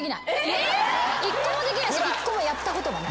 １個もできないし１個もやったことがない。